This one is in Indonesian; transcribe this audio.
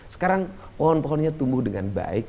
sekarang pohon pohonnya tumbuh dengan baik